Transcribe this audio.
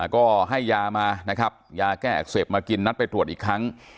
ก็ให้ยามานะครับยาแก้อักเสบมากินนัดไปตรวจอีกครั้ง